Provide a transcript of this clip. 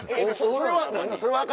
それは何？